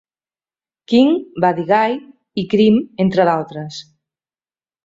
King, Buddy Guy i Cream entre d'altres.